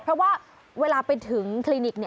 เพราะว่าเวลาไปถึงคลินิก